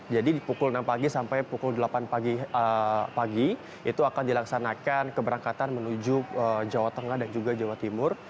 jadi di pukul enam pagi sampai pukul delapan pagi itu akan dilaksanakan keberangkatan menuju jawa tengah dan juga jawa timur